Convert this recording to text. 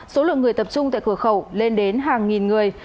số lượng người tập trung tại cửa khẩu lên đến hàng nghìn người